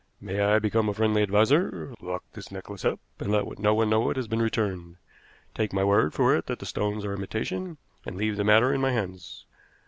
May I become a friendly adviser? Lock this necklace up, and let no one know it has been returned. Take my word for it that the stones are imitation, and leave the matter in my hands.